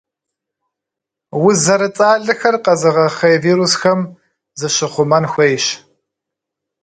Уз зэрыцӏалэхэр къэзыгъэхъей вирусхэм зыщыхъумэн хуейщ.